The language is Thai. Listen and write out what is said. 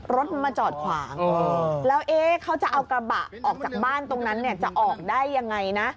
รถมันมาจอดขวางแล้วเขาจะเอากระบะออกจากบ้านตรงนั้นเนี่ยจะออกได้ยังไงนะ